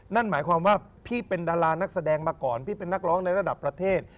นั่นหมายความว่าพี่เป็นดารานักแสดงมาก่อนพี่เป็นนักร้องในระดับประเทศ